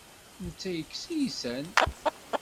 Netta ikess iysan.